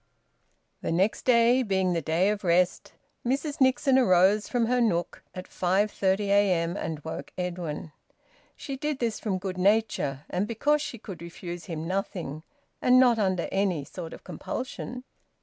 The next day being the day of rest, Mrs Nixon arose from her nook at 5:30 a.m. and woke Edwin. She did this from good nature, and because she could refuse him nothing, and not under any sort of compulsion.